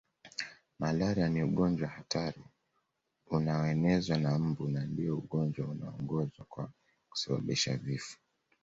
Malaria ni ugonjwa hatari unaonezwa na mbu na ndio ugonjwa unaoongoza kwa kusababisha vifo